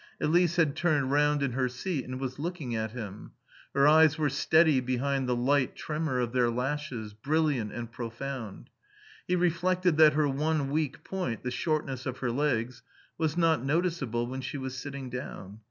Elise had turned round in her seat and was looking at him; her eyes were steady behind the light tremor of their lashes, brilliant and profound. He reflected that her one weak point, the shortness of her legs, was not noticeable when she was sitting down.